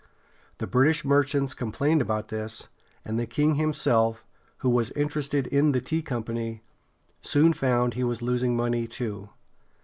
The British merchants complained about this, and the king himself, who was interested in the tea company, soon found he was losing money, too.